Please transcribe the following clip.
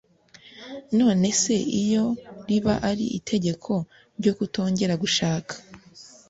none se iyo riba ari itegeko ryo kutongera gushaka